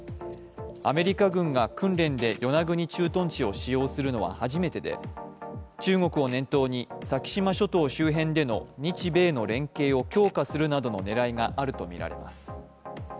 アメリカ軍が訓練で与那国駐屯地を使用するのは初めてで中国を念頭に先島諸島周辺での日米の連携を強化するなどの狙いがあるとみられます。